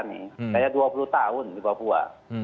saya dua puluh tahun di papua